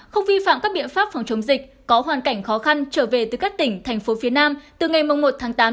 không vi phạm các biện pháp phòng chống dịch có hoàn cảnh khó khăn trở về từ các tỉnh thành phố phía nam từ ngày một tháng tám